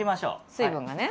水分がね。